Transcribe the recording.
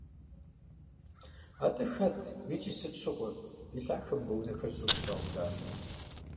АтIэ хэт икIи сыт щыгъуэ ди лъахэм и мывэ унэхэр щIын къыщаублар?